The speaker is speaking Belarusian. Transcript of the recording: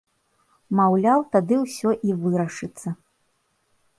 Маўляў, тады ўсё і вырашыцца.